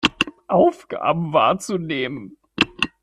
Aufgaben wahrzunehmen.